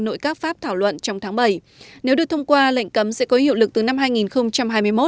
nội các pháp thảo luận trong tháng bảy nếu được thông qua lệnh cấm sẽ có hiệu lực từ năm hai nghìn hai mươi một